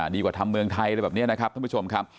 ดีกว่าทำเมืองไทยอะไรแบบนี้นะครับท่านผู้ชมครับ